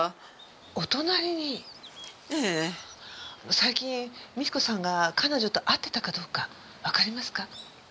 最近美津子さんが彼女と会ってたかどうかわかりますか？